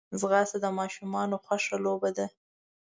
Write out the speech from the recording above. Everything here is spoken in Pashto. ځغاسته د ماشومانو خوښه لوبه ده